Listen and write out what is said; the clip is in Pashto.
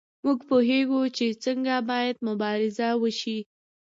موږ پوهیږو چې څنګه باید مبارزه وشي.